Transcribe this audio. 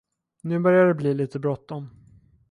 Nu börjar det bli lite bråttom.